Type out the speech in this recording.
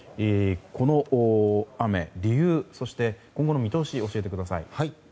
この雨、理由と今後の見通しを教えてください。